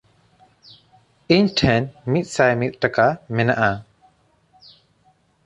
ᱤᱧ ᱴᱷᱮᱱ ᱢᱤᱫᱥᱟᱭ ᱢᱤᱫ ᱴᱟᱠᱟ ᱢᱮᱱᱟᱜᱼᱟ᱾